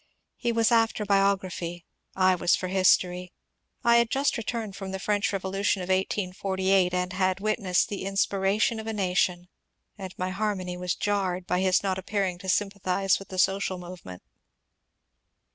He was after bio graphy — I was for history. I had just returned from the French Revolution of 1848, and had witnessed the inspiration of a nation, and my harmony was jarred by his not appearing to sympathize with the social movement.